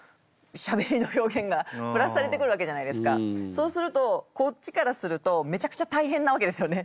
そうするとこっちからするとめちゃくちゃ大変なわけですよね。